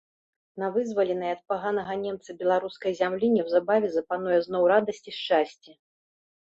На вызваленай ад паганага немца беларускай зямлі неўзабаве запануе зноў радасць і шчасце.